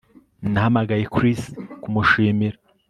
Nahamagaye Chris kumushimira